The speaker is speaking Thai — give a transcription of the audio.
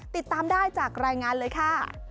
ติดตามได้จากรายงานเลยค่ะ